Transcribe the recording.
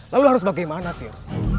lalu harus bagaimana sir